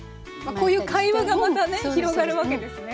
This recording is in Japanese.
こういう会話がまたね広がるわけですね。